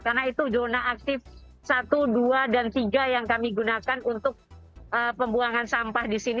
karena itu zona aktif satu dua dan tiga yang kami gunakan untuk pembuangan sampah di sini